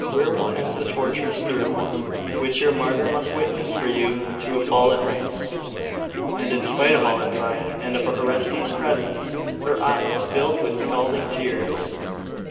where will end the tortures through which your martyr must witness for you to a fallen race?' And, in spite of all her pride, and of Orestes's presence, her eyes filled with scalding tears.